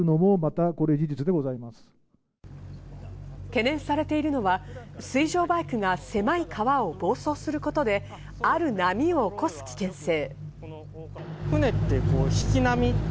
懸念されているのは水上バイクが狭い川を暴走することである波を起こす危険性。